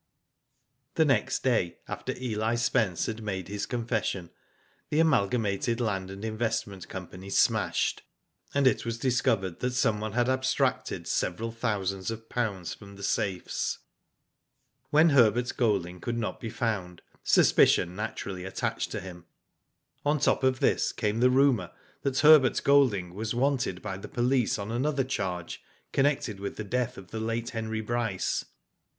The next day, after Eli Spence had made his confession, the Amalgamated Land and Investment Company smashed, and it was discovered that someone had abstracted several thousands of pounds from the safes. When Herbert Golding could not be found suspicion naturally attached to him. On the top of this came the rumour that Herbert Digitized byGoogk 256 WHO DID ITf Golding was wanted by the police on another charge connected with the death of the late Henry Bryce.